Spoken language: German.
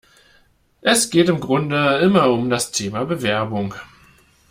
Es geht im Grunde immer um das Thema Bewerbung.